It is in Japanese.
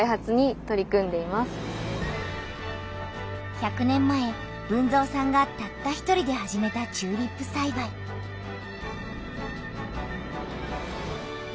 １００年前豊造さんがたった１人で始めたチューリップさいばい。